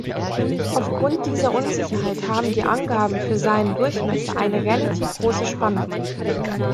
Aufgrund dieser Unsicherheit haben die Angaben für seinen Durchmesser eine relativ große Spanne.